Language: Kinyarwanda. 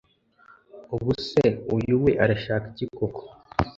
ubse uyu we arshaka iki koko